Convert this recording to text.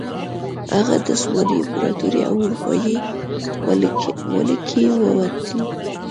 هغه د عثماني امپراتورۍ او اروپايي ولکې ووتل.